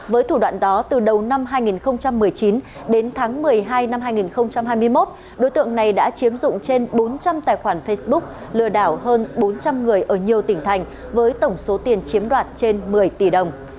với thủ đoạn đó từ đầu năm hai nghìn một mươi chín đến tháng một mươi hai năm hai nghìn hai mươi một đối tượng này đã chiếm dụng trên bốn trăm linh tài khoản facebook lừa đảo hơn bốn trăm linh người ở nhiều tỉnh thành với tổng số tiền chiếm đoạt trên một mươi tỷ đồng